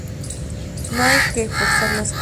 No hay que forzar las cosas.